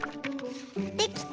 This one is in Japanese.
できた！